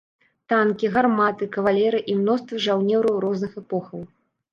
Танкі, гарматы, кавалерыя і мноства жаўнераў розных эпохаў.